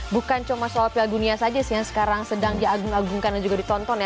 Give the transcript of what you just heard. bukan cuma soal piala dunia saja sih yang sekarang sedang diagung agungkan dan juga ditonton ya